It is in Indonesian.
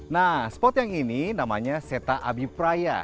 nah spot yang ini namanya seta abipraya